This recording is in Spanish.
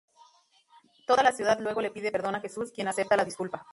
Toda la ciudad luego le pide perdón a Jesús, quien acepta la disculpa.